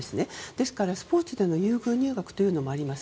ですから、スポーツでの優遇入学というものもあります。